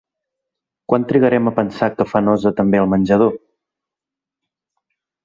Quant trigarem a pensar que fa nosa també al menjador?